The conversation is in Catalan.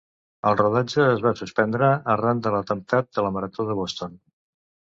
El rodatge es va suspendre arran de l'atemptat de la marató de Boston.